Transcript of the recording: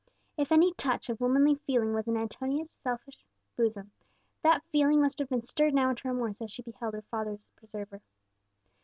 If any touch of womanly feeling was in Antonia's selfish bosom, that feeling must have been stirred now into remorse as she beheld her father's preserver.